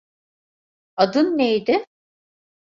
Adın neydi?